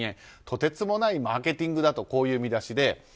とてつもないマーケティングだとこういう見出しで。